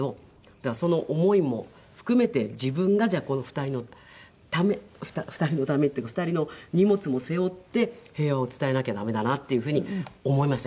だからその思いも含めて自分がじゃあこの２人のため２人のためっていうか２人の荷物も背負って平和を伝えなきゃ駄目だなっていうふうに思いました。